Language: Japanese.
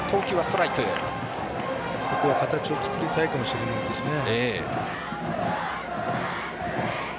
ここは形を作りたいかもしれないですね。